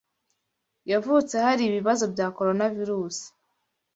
Yavutse hari ibibazo bya Coronavirus.